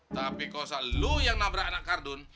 tapi kalau lu yang nabrak anak kardun